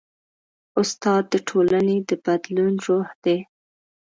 استاد د ټولنې د بدلون روح دی.